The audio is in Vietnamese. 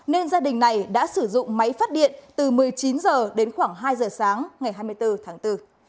nên gia đình này đã sử dụng máy phát điện từ một mươi chín h đến khoảng hai giờ sáng ngày hai mươi bốn tháng bốn